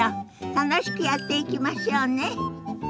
楽しくやっていきましょうね。